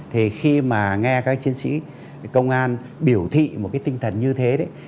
thì khi mà nghe các chiến sĩ công an biểu thị một cái tinh thần như thế đấy